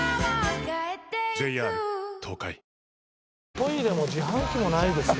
トイレも自販機もないですよ。